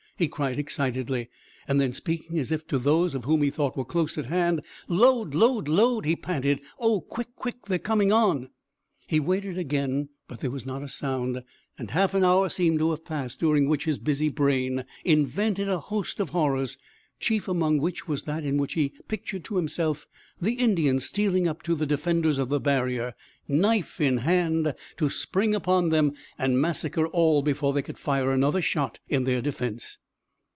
he cried excitedly, and then, speaking as if those of whom he thought were close at hand, "Load, load, load!" he panted. "Oh, quick, quick! They're coming on!" He waited again, but there was not a sound, and half an hour seemed to have passed, during which his busy brain invented a host of horrors, chief among which was that in which he pictured to himself the Indians stealing up to the defenders of the barrier, knife in hand, to spring upon them and massacre all before they could fire another shot in their defence.